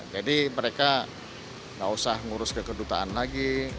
jadi mereka tidak usah mengurus ke kedutaan lagi